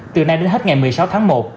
từ nay đến hết ngày một mươi sáu tháng một